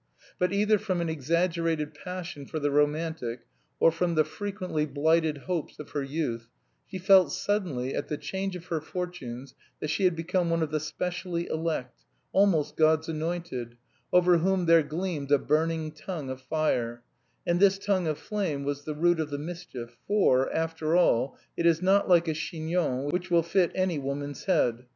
But either from an exaggerated passion for the romantic or from the frequently blighted hopes of her youth, she felt suddenly, at the change of her fortunes, that she had become one of the specially elect, almost God's anointed, "over whom there gleamed a burning tongue of fire," and this tongue of flame was the root of the mischief, for, after all, it is not like a chignon, which will fit any woman's head.